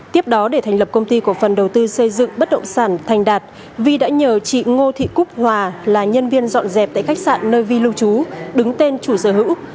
tiếp đó để thành lập công ty cổ phần đầu tư xây dựng bất động sản thành đạt vi đã nhờ chị ngô thị cúc hòa là nhân viên dọn dẹp tại khách sạn nơi vi lưu trú đứng tên chủ sở hữu